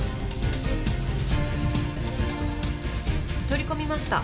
取り込みました。